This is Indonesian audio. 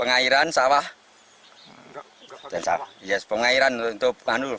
airnya harganya berapa pak